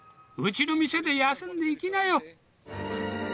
うちの店で休んでいきなよ？